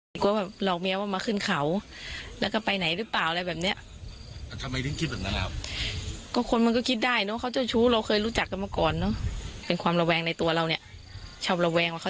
ไม่เลยเขาเป็นคนเลิกแล้วเลิกเลยนะ